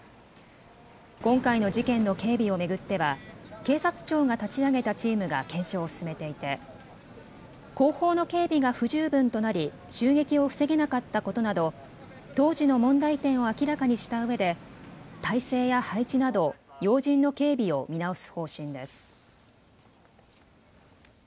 今回の事件の警備を巡っては警察庁が立ち上げたチームが検証を進めていて後方の警備が不十分となり襲撃を防げなかったことなど当時の問題点を明らかにしたうえで体制や配置など要人の警備を見直す方針です。